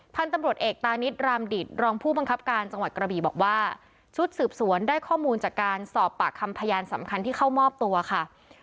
พันธุ์ตำรวจเอกตานิดรามดิตรองผู้บังคับการจังหวัดกระบีบอกว่าชุดสืบสวนได้ข้อมูลจากการสอบปากคำพยานสำคัญที่เข้ามอบตัวค่ะ